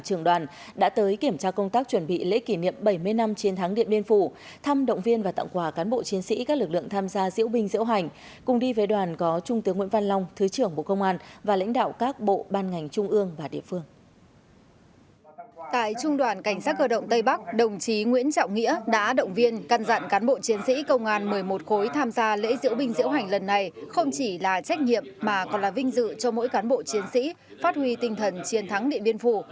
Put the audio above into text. chiến sĩ công an một mươi một khối tham gia lễ diễu binh diễu hành lần này không chỉ là trách nhiệm mà còn là vinh dự cho mỗi cán bộ chiến sĩ phát huy tinh thần chiến thắng địa biên phủ